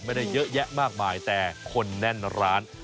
ไม่ได้เยอะแยะมากมายแต่คนแน่นร้าน